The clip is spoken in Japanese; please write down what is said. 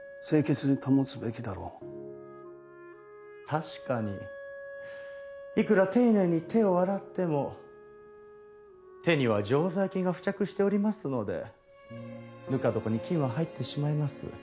確かにいくら丁寧に手を洗っても手には常在菌が付着しておりますのでぬか床に菌は入ってしまいます。